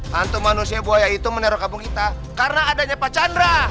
hantu manusia buaya itu meneror kampung kita karena adanya pak chandra